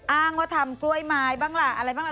อ้างว่าทำกล้วยไม้บ้างล่ะอะไรบ้างล่ะ